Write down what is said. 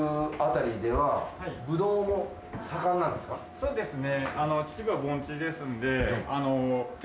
そうですね。